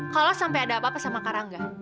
kalau sampai ada apa apa sama karangga